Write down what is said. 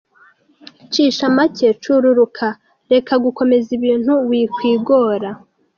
Cisha make, Cururuka, reka gukomeza ibintu, wikwigora.